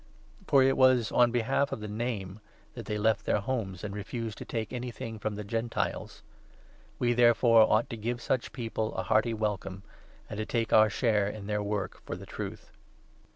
For it was on behalf of the 7 Name that they left their homes, and refused to take anything from the Gentiles. We, therefore, ought to give such people 8 a hearty welcome, and so take our share in their work for the Truth.